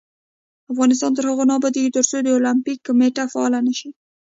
افغانستان تر هغو نه ابادیږي، ترڅو د اولمپیک کمیټه فعاله نشي.